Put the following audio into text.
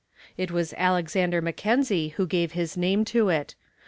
It was Alexander Mackenzie who gave his name to it.